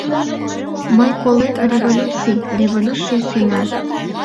Мый колем, революций... революций сеҥа.